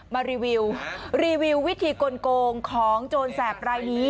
รีวิวรีวิววิธีกลงของโจรแสบรายนี้